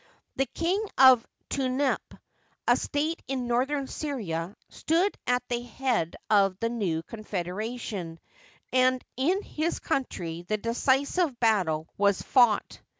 The King of Tunep, a state in northern Syria, stood at the head of the new confederation, and in his country the decisive battle was fought.